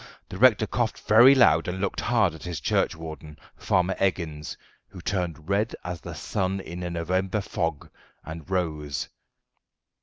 the rector coughed very loud and looked hard at his churchwarden, Farmer Eggins, who turned red as the sun in a November fog, and rose.